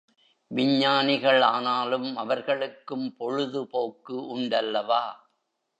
விஞ்ஞானிகள் ஆனாலும் அவர்களுக்கும் பொழுது போக்கு உண்டல்லவா?